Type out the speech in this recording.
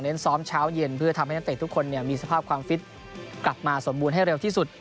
ซ้อมเช้าเย็นเพื่อทำให้นักเตะทุกคนมีสภาพความฟิตกลับมาสมบูรณ์ให้เร็วที่สุด